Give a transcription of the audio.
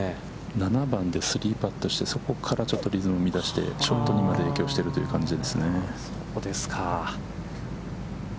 ７番で３パットして、そこからちょっとリズムを乱してショットにまで影響しているという感じですね。